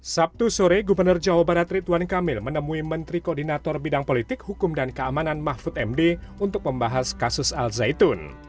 sabtu sore gubernur jawa barat rituan kamil menemui menteri koordinator bidang politik hukum dan keamanan mahfud md untuk membahas kasus al zaitun